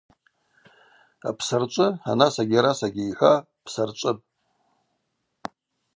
Апсарчӏвы, анасагьи арасагьи йхӏва, йпсарчӏвыпӏ.